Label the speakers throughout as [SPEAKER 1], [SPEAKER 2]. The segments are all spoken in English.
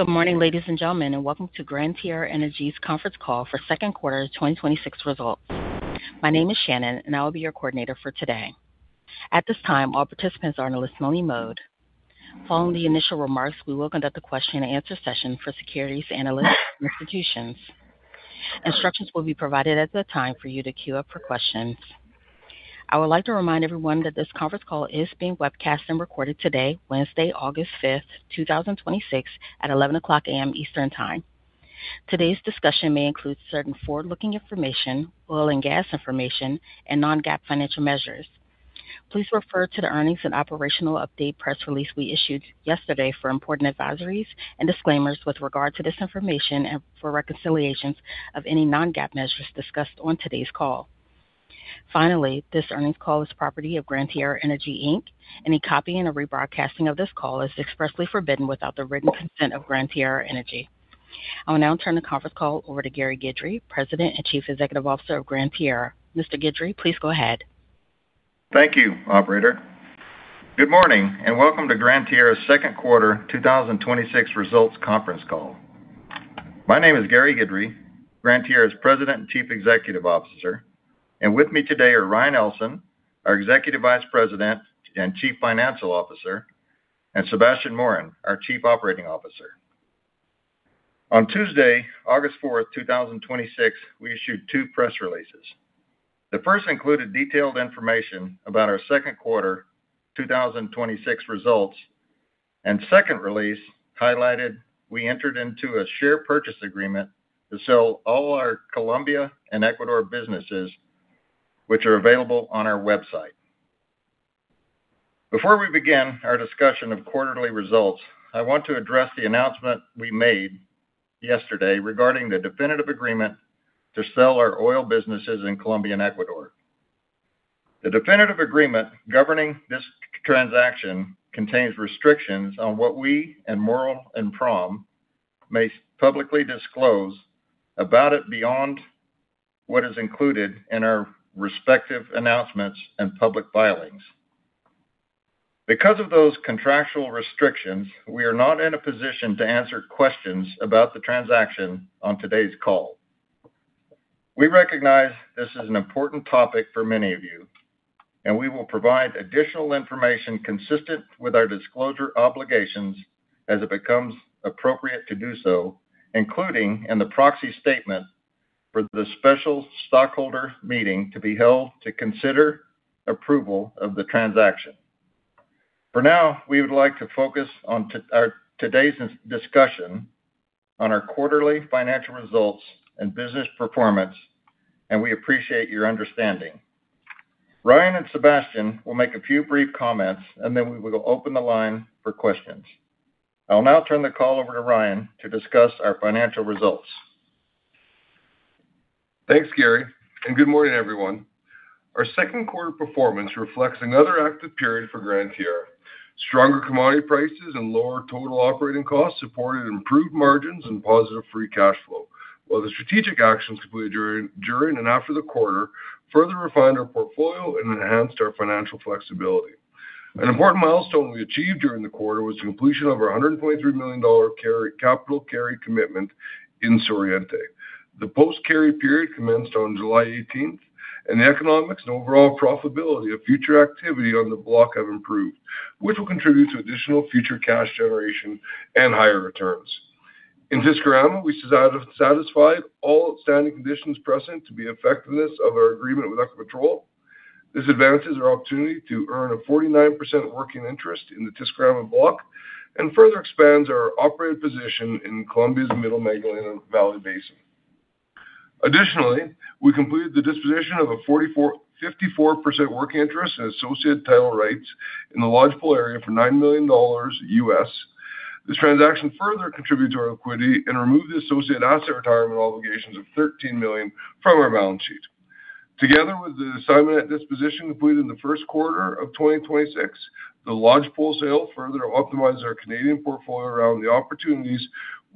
[SPEAKER 1] Good morning, ladies and gentlemen, and welcome to Gran Tierra Energy's conference call for second quarter 2026 results. My name is Shannon, and I will be your coordinator for today. At this time, all participants are in a listen-only mode. Following the initial remarks, we will conduct a question and answer session for securities analysts and institutions. Instructions will be provided as a time for you to queue up for questions. I would like to remind everyone that this conference call is being webcast and recorded today, Wednesday, August 5th, 2026, at 11:00 A.M. Eastern Time. Today's discussion may include certain forward-looking information, oil and gas information, and non-GAAP financial measures. Please refer to the earnings and operational update press release we issued yesterday for important advisories and disclaimers with regard to this information and for reconciliations of any non-GAAP measures discussed on today's call. Finally, this earnings call is property of Gran Tierra Energy Inc. Any copying or rebroadcasting of this call is expressly forbidden without the written consent of Gran Tierra Energy. I will now turn the conference call over to Gary Guidry, President and Chief Executive Officer of Gran Tierra. Mr. Guidry, please go ahead.
[SPEAKER 2] Thank you, operator. Good morning and welcome to Gran Tierra's second quarter 2026 results conference call. My name is Gary Guidry, Gran Tierra's President and Chief Executive Officer, and with me today are Ryan Ellson, our Executive Vice President and Chief Financial Officer, and Sebastien Morin, our Chief Operating Officer. On Tuesday, August 4th, 2026, we issued two press releases. Second release highlighted we entered into a share purchase agreement to sell all our Colombia and Ecuador businesses, which are available on our website. Before we begin our discussion of quarterly results, I want to address the announcement we made yesterday regarding the definitive agreement to sell our oil businesses in Colombia and Ecuador. The definitive agreement governing this transaction contains restrictions on what we and Morro and Prom may publicly disclose about it beyond what is included in our respective announcements and public filings. Because of those contractual restrictions, we are not in a position to answer questions about the transaction on today's call. We recognize this is an important topic for many of you. We will provide additional information consistent with our disclosure obligations as it becomes appropriate to do so, including in the proxy statement for the special stockholder meeting to be held to consider approval of the transaction. For now, we would like to focus on today's discussion on our quarterly financial results and business performance. We appreciate your understanding. Ryan and Sebastian will make a few brief comments. Then we will open the line for questions. I will now turn the call over to Ryan to discuss our financial results.
[SPEAKER 3] Thanks, Gary, and good morning, everyone. Our second quarter performance reflects another active period for Gran Tierra. Stronger commodity prices and lower total operating costs supported improved margins and positive free cash flow, while the strategic actions completed during and after the quarter further refined our portfolio and enhanced our financial flexibility. An important milestone we achieved during the quarter was the completion of our $123 million capital carry commitment in Suroriente. The post-carry period commenced on July 18th, and the economics and overall profitability of future activity on the block have improved, which will contribute to additional future cash generation and higher returns. In Tisquirama, we satisfied all outstanding conditions present to the effectiveness of our agreement with Ecopetrol. This advances our opportunity to earn a 49% working interest in the Tisquirama block and further expands our operated position in Colombia's Middle Magdalena Valley Basin. We completed the disposition of a 54% working interest and associated title rights in the Lodgepole area for $9 million. This transaction further contributes to our liquidity and removes the associated asset retirement obligations of $13 million from our balance sheet. Together with the assignment disposition completed in the first quarter of 2026, the Lodgepole sale further optimizes our Canadian portfolio around the opportunities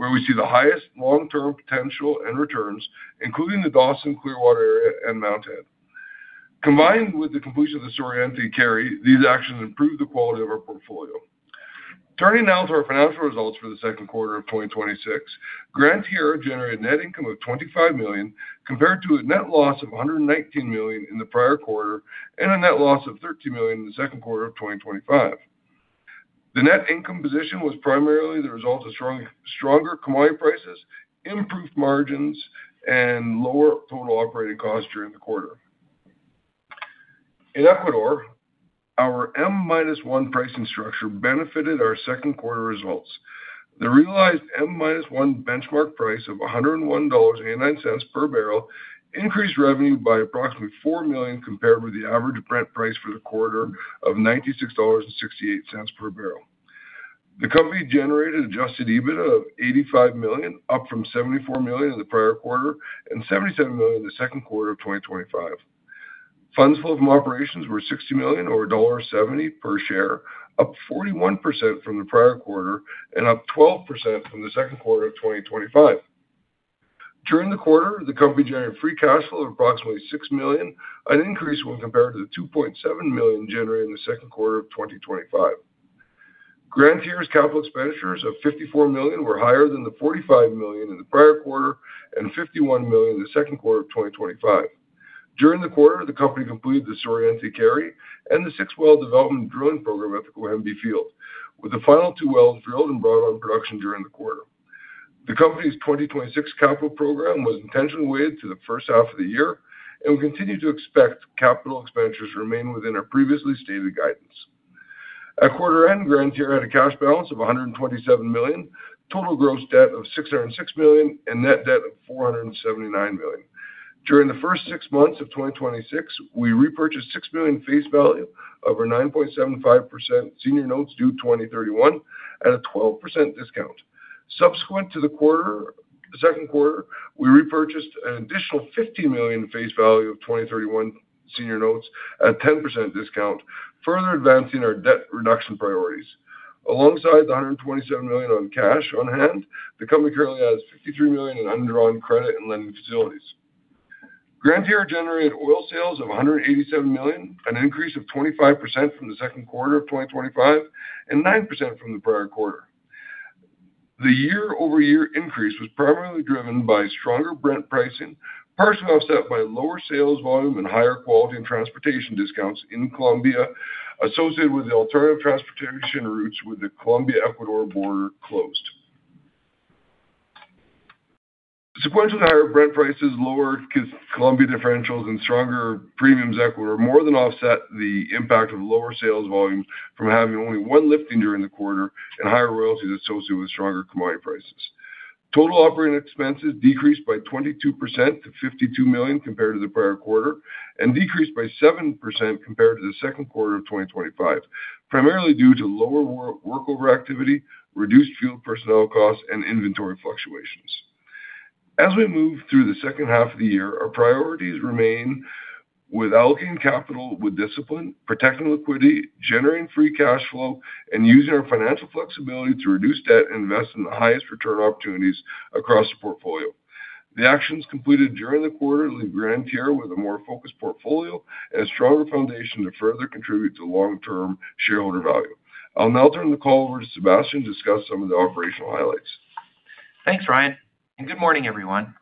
[SPEAKER 3] where we see the highest long-term potential and returns, including the Dawson Clearwater area and Mount Head. Combined with the completion of the Suroriente carry, these actions improve the quality of our portfolio. Turning now to our financial results for the second quarter of 2026, Gran Tierra generated net income of $25 million, compared to a net loss of $119 million in the prior quarter and a net loss of $13 million in the second quarter of 2025. The net income position was primarily the result of stronger commodity prices, improved margins, and lower total operating costs during the quarter. In Ecuador, our M-1 pricing structure benefited our second quarter results. The realized M-1 benchmark price of $101.89 per barrel increased revenue by approximately $4 million, compared with the average Brent price for the quarter of $96.68 per barrel. The company generated adjusted EBITDA of $85 million, up from $74 million in the prior quarter and $77 million in the second quarter of 2025. Funds flow from operations were $60 million or $1.70 per share, up 41% from the prior quarter and up 12% from the second quarter of 2025. During the quarter, the company generated free cash flow of approximately $6 million, an increase when compared to the $2.7 million generated in the second quarter of 2025. Gran Tierra's capital expenditures of $54 million were higher than the $45 million in the prior quarter and $51 million in the second quarter of 2025. During the quarter, the company completed the Sur Oriente carry and the six-well development drilling program at the Coimbi field, with the final two wells drilled and brought on production during the quarter. The company's 2026 capital program was intentionally weighted to the first half of the year and we continue to expect capital expenditures to remain within our previously stated guidance. At quarter end, Gran Tierra had a cash balance of $127 million, total gross debt of $606 million, and net debt of $479 million. During the first six months of 2026, we repurchased $6 million face value of our 9.75% senior notes due 2031 at a 12% discount. Subsequent to the second quarter, we repurchased an additional $50 million face value of 2031 senior notes at 10% discount, further advancing our debt reduction priorities. Alongside the $127 million on cash on hand, the company currently has $53 million in undrawn credit and lending facilities. Gran Tierra generated oil sales of $187 million, an increase of 25% from the second quarter of 2025, and 9% from the prior quarter. The year-over-year increase was primarily driven by stronger Brent pricing partially offset by lower sales volume and higher quality and transportation discounts in Colombia associated with the alternative transportation routes with the Colombia-Ecuador border closed. Sequential higher Brent prices, lower Colombia differentials, and stronger premiums in Ecuador more than offset the impact of lower sales volumes from having only one lifter during the quarter and higher royalties associated with stronger commodity prices. Total operating expenses decreased by 22% to $52 million compared to the prior quarter and decreased by 7% compared to the second quarter of 2025, primarily due to lower workover activity, reduced field personnel costs, and inventory fluctuations. As we move through the second half of the year, our priorities remain with allocating capital with discipline, protecting liquidity, generating free cash flow, and using our financial flexibility to reduce debt and invest in the highest return opportunities across the portfolio. The actions completed during the quarter leave Gran Tierra with a more focused portfolio and a stronger foundation to further contribute to long-term shareholder value. I'll now turn the call over to Sebastien to discuss some of the operational highlights.
[SPEAKER 4] Thanks, Ryan, and good morning, everyone.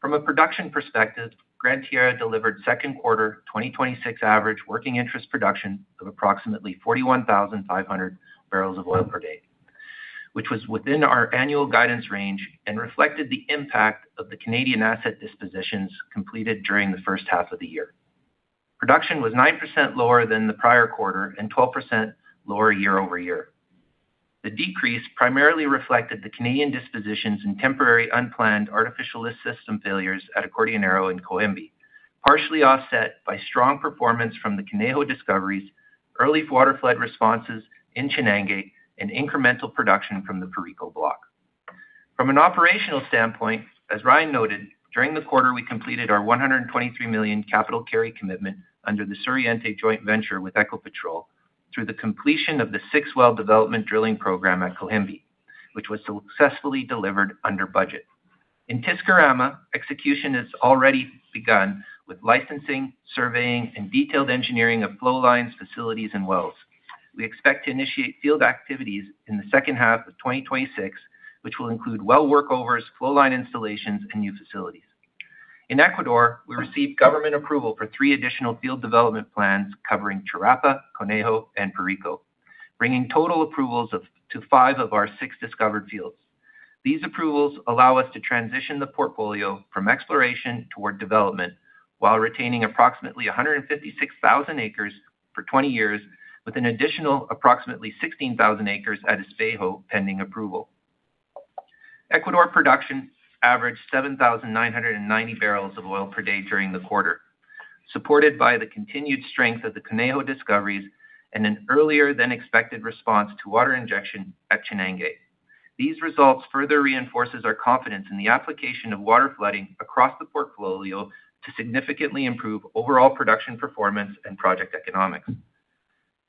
[SPEAKER 4] From a production perspective, Gran Tierra delivered second quarter 2026 average working interest production of approximately 41,500 barrels of oil per day, which was within our annual guidance range and reflected the impact of the Canadian asset dispositions completed during the first half of the year. Production was 9% lower than the prior quarter and 12% lower year-over-year. The decrease primarily reflected the Canadian dispositions and temporary unplanned artificial lift system failures at Acordionero and Coimbi, partially offset by strong performance from the Conejo discoveries, early water flood responses in Chinangue, and incremental production from the Perico Block. From an operational standpoint, as Ryan noted, during the quarter, we completed our $123 million capital carry commitment under the Sur Oriente joint venture with Ecopetrol through the completion of the six-well development drilling program at Coimbi, which was successfully delivered under budget. In Tisquirama, execution has already begun with licensing, surveying, and detailed engineering of flow lines, facilities, and wells. We expect to initiate field activities in the second half of 2026, which will include well workovers, flow line installations, and new facilities. In Ecuador, we received government approval for three additional field development plans covering Charapa, Conejo, and Perico, bringing total approvals to five of our six discovered fields. These approvals allow us to transition the portfolio from exploration toward development while retaining approximately 156,000 acres for 20 years with an additional approximately 16,000 acres at Espejo, pending approval. Ecuador production averaged 7,990 barrels of oil per day during the quarter, supported by the continued strength of the Conejo discoveries and an earlier than expected response to water injection at Chinangue. These results further reinforces our confidence in the application of water flooding across the portfolio to significantly improve overall production performance and project economics.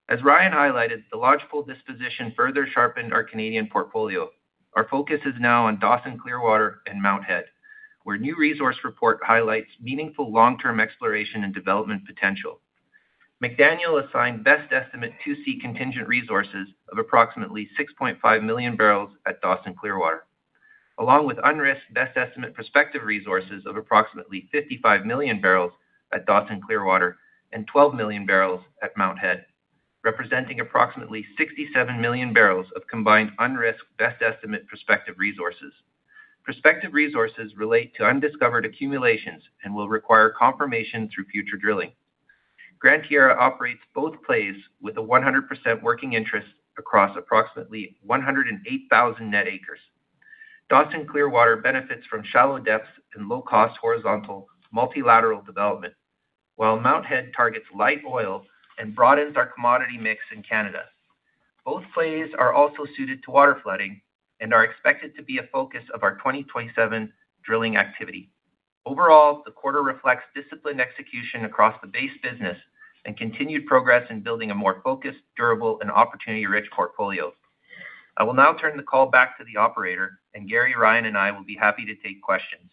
[SPEAKER 4] As Ryan highlighted, the logical disposition further sharpened our Canadian portfolio. Our focus is now on Dawson Clearwater and Mount Head, where a new resource report highlights meaningful long-term exploration and development potential. McDaniel assigned best estimate 2C contingent resources of approximately 6.5 million barrels at Dawson Clearwater, along with unrisked best estimate prospective resources of approximately 55 million barrels at Dawson Clearwater and 12 million barrels at Mount Head, representing approximately 67 million barrels of combined unrisked best estimate prospective resources. Prospective resources relate to undiscovered accumulations and will require confirmation through future drilling. Gran Tierra operates both plays with a 100% working interest across approximately 108,000 net acres. Dawson Clearwater benefits from shallow depths and low cost horizontal multilateral development, while Mount Head targets light oil and broadens our commodity mix in Canada. Both plays are also suited to water flooding and are expected to be a focus of our 2027 drilling activity. Overall, the quarter reflects disciplined execution across the base business and continued progress in building a more focused, durable, and opportunity-rich portfolio. I will now turn the call back to the operator, and Gary, Ryan, and I will be happy to take questions.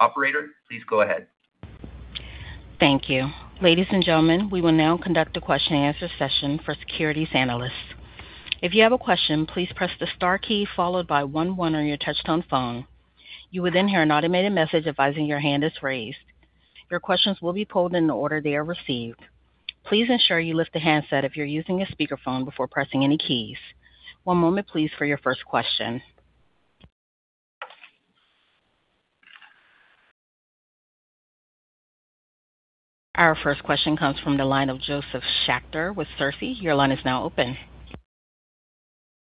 [SPEAKER 4] Operator, please go ahead.
[SPEAKER 1] Thank you. Ladies and gentlemen, we will now conduct a question and answer session for securities analysts. If you have a question, please press the star key followed by one on your touchtone phone. You will then hear an automated message advising your hand is raised. Your questions will be pulled in the order they are received. Please ensure you lift the handset if you're using a speakerphone before pressing any keys. One moment please for your first question. Our first question comes from the line of Josef Schachter with SERSI. Your line is now open.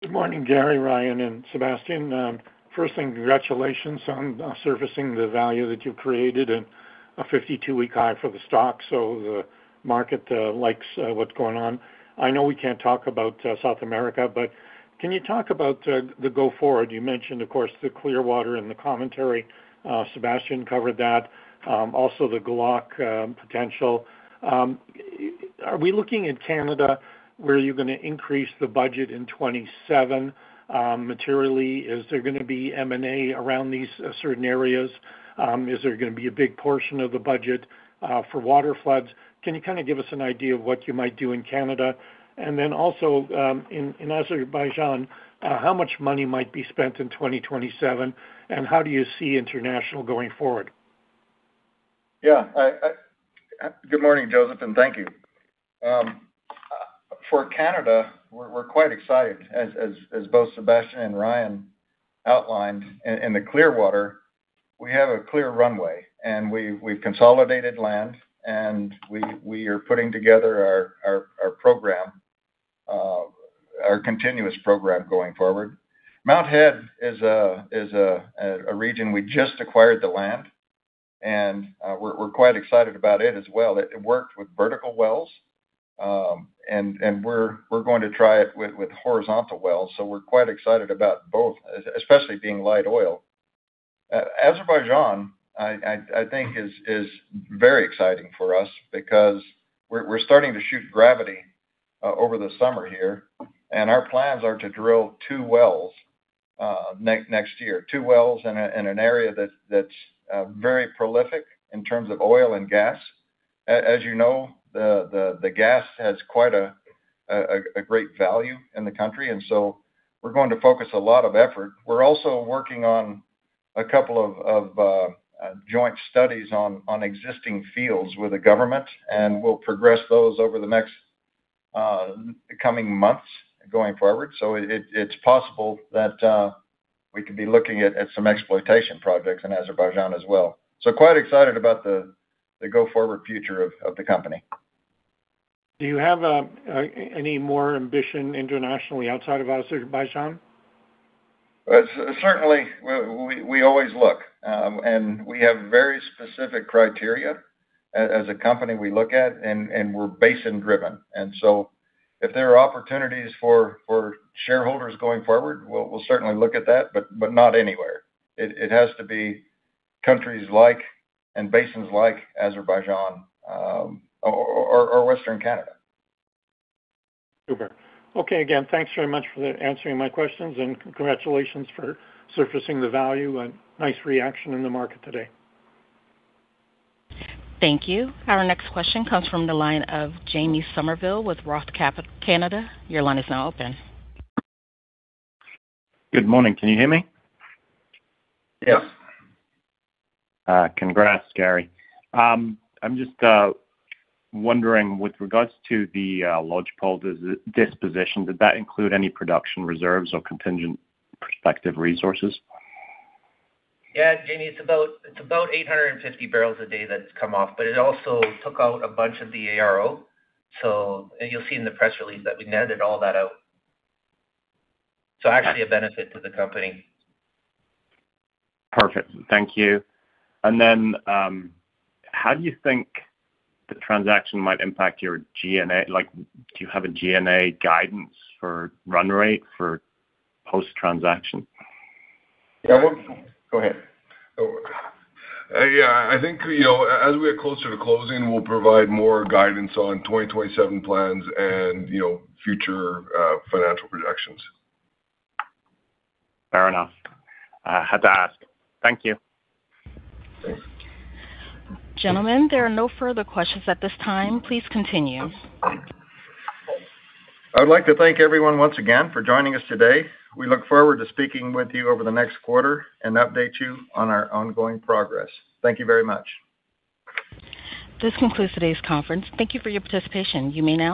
[SPEAKER 5] Good morning, Gary, Ryan, and Sebastian. First thing, congratulations on surfacing the value that you've created and a 52-week high for the stock. The market likes what's going on. I know we can't talk about South America, but can you talk about the go forward? You mentioned of course, the Clearwater in the commentary. Sebastian covered that. Also the Glauconite potential. Are we looking at Canada, where you're going to increase the budget in 2027 materially? Is there going to be M&A around these certain areas? Is there going to be a big portion of the budget for waterfloods? Can you give us an idea of what you might do in Canada? In Azerbaijan, how much money might be spent in 2027, and how do you see international going forward?
[SPEAKER 2] Good morning, Josef, and thank you. For Canada, we're quite excited as both Sebastian and Ryan outlined in the Clearwater, we have a clear runway and we've consolidated land and we are putting together our continuous program going forward. Mount Head is a region we just acquired the land and we're quite excited about it as well. It worked with vertical wells, and we're going to try it with horizontal wells. We're quite excited about both, especially being light oil. Azerbaijan, I think is very exciting for us because we're starting to shoot gravity over the summer here, and our plans are to drill two wells next year. Two wells in an area that's very prolific in terms of oil and gas. As you know, the gas has quite a great value in the country, and so we're going to focus a lot of effort. We're also working on a couple of joint studies on existing fields with the government, and we'll progress those over the next coming months going forward. It's possible that we could be looking at some exploitation projects in Azerbaijan as well. Quite excited about the go forward future of the company.
[SPEAKER 5] Do you have any more ambition internationally outside of Azerbaijan?
[SPEAKER 2] Certainly. We always look, and we have very specific criteria. As a company, we look at, and we're basin driven. If there are opportunities for shareholders going forward, we'll certainly look at that, but not anywhere. It has to be countries like, and basins like Azerbaijan or Western Canada.
[SPEAKER 5] Super. Okay. Again, thanks very much for answering my questions, and congratulations for surfacing the value, and nice reaction in the market today.
[SPEAKER 1] Thank you. Our next question comes from the line of Jamie Somerville with Roth Canada, Inc.. Your line is now open.
[SPEAKER 6] Good morning. Can you hear me?
[SPEAKER 2] Yes.
[SPEAKER 6] Congrats, Gary. I'm just wondering with regards to the Lodgepole disposition, did that include any production reserves or contingent prospective resources?
[SPEAKER 4] Yeah, Jamie. It's about 850 barrels a day that's come off, but it also took out a bunch of the ARO. You'll see in the press release that we netted all that out. Actually a benefit to the company.
[SPEAKER 6] Perfect. Thank you. How do you think the transaction might impact your G&A? Do you have a G&A guidance for run rate for post-transaction?
[SPEAKER 2] Yeah. Go ahead.
[SPEAKER 3] Yeah. I think, as we get closer to closing, we will provide more guidance on 2027 plans and future financial projections.
[SPEAKER 6] Fair enough. I had to ask. Thank you.
[SPEAKER 3] Thanks.
[SPEAKER 1] Gentlemen, there are no further questions at this time. Please continue.
[SPEAKER 2] I would like to thank everyone once again for joining us today. We look forward to speaking with you over the next quarter and update you on our ongoing progress. Thank you very much.
[SPEAKER 1] This concludes today's conference. Thank you for your participation. You may now disconnect.